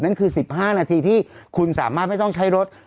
นั่นคือ๑๕นาทีที่คุณสามารถไม่ต้องใช้รถ